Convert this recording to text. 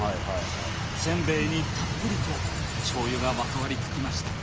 せんべいにたっぷりと醤油がまとわりつきました。